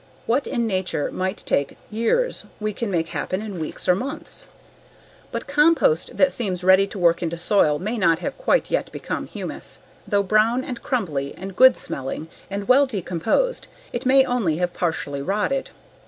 What in nature might take years we can make happen in weeks or months. But compost that seems ready to work into soil may not have quite yet become humus. Though brown and crumbly and good smelling and well decomposed, it may only have partially rotted.